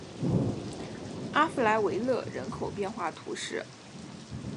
阿弗莱维勒人口变化图示